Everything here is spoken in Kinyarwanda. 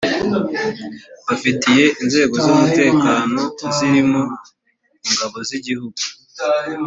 bafitiye inzego z umutekano zirimo ingabo z igihugu